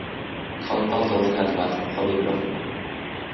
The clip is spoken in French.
Grande porte d’entrée à droite, premier plan.